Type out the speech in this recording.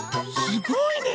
すごいね！